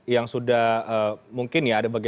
yang sudah mungkin ya